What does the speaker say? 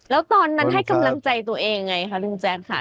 แล้วตอนนั้นให้กำลังใจตัวเองไงคะลุงแจ๊คค่ะ